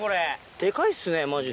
でかいっすね、まじで。